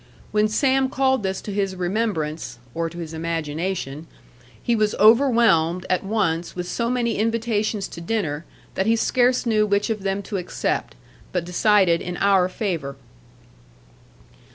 When Sam called this to his remembrance (or to his imagination) he was overwhelmed, at once, with so many invitations to dinner, that he scarce knew which of them to accept; but decided in our favour.